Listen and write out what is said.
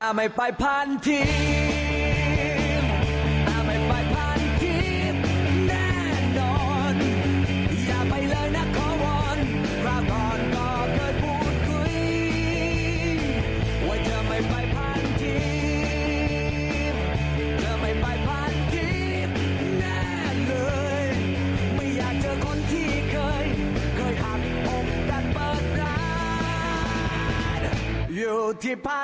แหละครับ